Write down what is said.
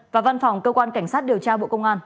và văn phòng cơ quan cảnh sát điều tra bộ công an